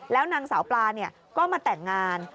แล้วนางสาวปลาก็มาแต่งงาน